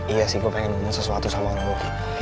iya sih gue pengen ngomong sesuatu sama lo